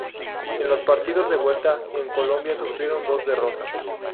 En los partidos de vuelta en Colombia sufrieron dos derrotas.